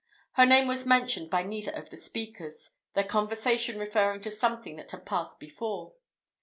Her name was mentioned by neither of the speakers, their conversation referring to something that had passed before.